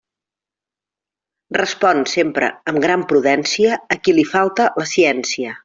Respon sempre amb gran prudència a qui li falta la ciència.